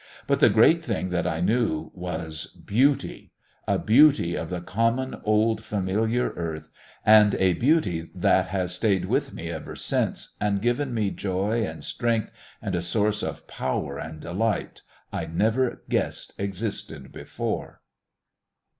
But the great thing that I knew was Beauty, a beauty of the common old familiar Earth, and a beauty that's stayed with me ever since, and given me joy and strength and a source of power and delight I'd never guessed existed before.